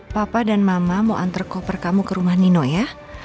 papa dan mama mau antar koper kamu ke rumah nino ya